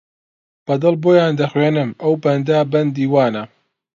بە دڵ بۆیان دەخوێنم ئەو بەندە بەندی وانە